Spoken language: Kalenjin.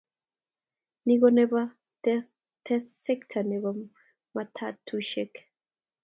Ni ko oret nebo tes sekta nebo matatusyek.